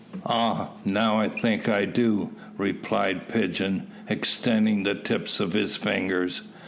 "Ah! now I think I do," replied Pigeon, extending the tips of his fingers.